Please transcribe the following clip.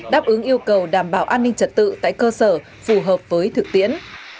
đáp ứng yêu cầu đảm bảo an ninh trật tự tại cơ sở phù hợp với thực tiễn